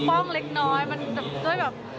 ฟองเล็กน้อยมันเรื่อยแบบ